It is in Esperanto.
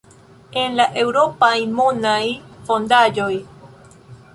en la eŭropaj monaj fondaĵoj.